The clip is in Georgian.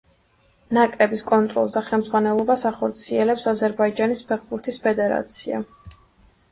ნაკრების კონტროლს და ხელმძღვანელობას ახორციელებს აზერბაიჯანის ფეხბურთის ფედერაცია.